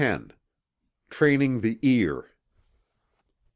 TRAINING THE EAR.